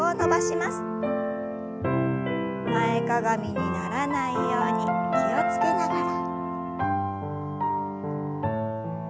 前かがみにならないように気を付けながら。